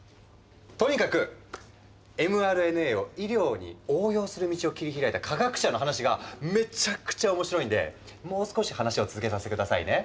とにかくｍＲＮＡを医療に応用する道を切り開いた科学者の話がめちゃくちゃ面白いんでもう少し話を続けさせて下さいね。